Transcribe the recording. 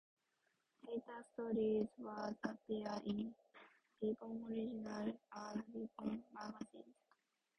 Later stories would appear in "Ribon Original" and "Ribon" magazines.